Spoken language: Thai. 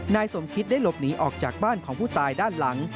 นายสมคิตได้หลบหนีออกจากบ้านของผู้ตายด้านหลัง